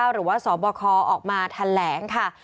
หรือว่าสบคออกมาแถลงค่ะ